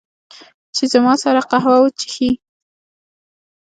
چې، زما سره قهوه وچښي